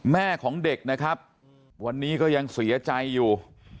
แม่ของเด็กนะครับวันนี้ก็ยังเสียใจอยู่